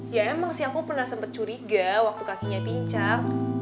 ya emang sih aku pernah sempat curiga waktu kakinya pincar